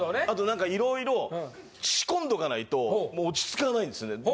あとなんか、いろいろ仕込んどかないと、もう落ち着かないんですね。